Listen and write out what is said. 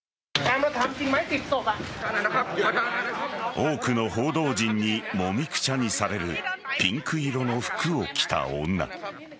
多くの報道陣にもみくちゃにされるピンク色の服を着た女。